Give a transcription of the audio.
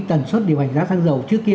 tần suất điều hành giá xăng dầu trước kia